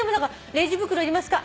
「レジ袋いりますか？」